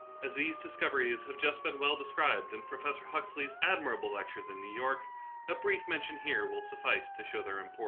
As these dis coveries have just been well described in Profes sor Huxley's admirable lectures in New York, a brief mention here will suffice to show their im port.